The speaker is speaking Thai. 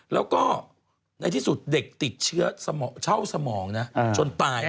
แล้วก็ในที่สุดเด็กติดเชื้อเช่าสมองนะจนตาย